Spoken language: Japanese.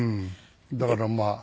だからまあ。